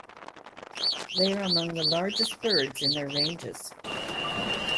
They are among the largest birds in their ranges.